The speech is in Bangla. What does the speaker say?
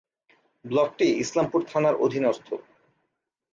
ব্লকটি ইসলামপুর থানার অধীনস্থ।